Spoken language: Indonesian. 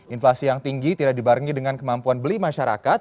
inflasi yang tinggi tidak dibarengi dengan kemampuan beli masyarakat